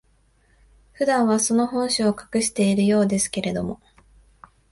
普段は、その本性を隠しているようですけれども、